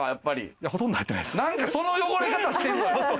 何かその汚れ方してんのよ。